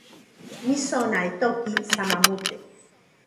mi sona e toki sama mute.